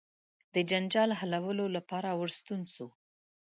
جنجال د حلولو لپاره ورستون سو.